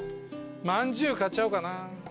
まんじゅう買っちゃおうかな。